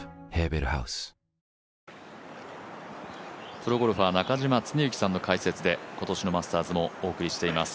プロゴルファー中嶋常幸さんの解説で今年のマスターズもお送りしています。